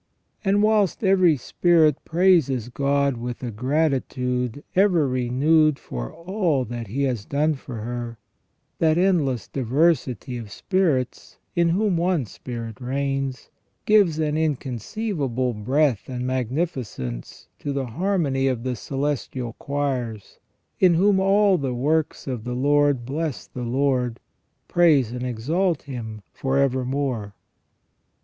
And whilst every spirit praises God with a grati tude ever renewed for all that He has done for her, that endless diversity of spirits, in whom one spirit reigns, gives an incon ceivable breadth and magnificence to the harmony of the celestial choirs, in whom all the works of the Lord bless the Lord, praise and exalt Him for evermore.